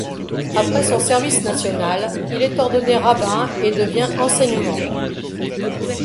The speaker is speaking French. Après son service national, il est ordonné rabbin et devient enseignement.